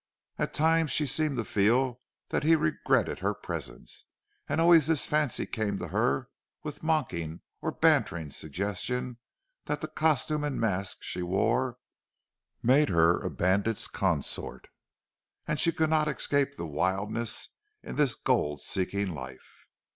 At times she seemed to feel that he regretted her presence, and always this fancy came to her with mocking or bantering suggestion that the costume and mask she wore made her a bandit's consort, and she could not escape the wildness of this gold seeking life.